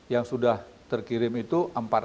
yang sudah terkirim itu